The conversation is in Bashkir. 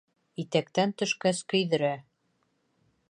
Итәктән төшкәс көйҙөрә.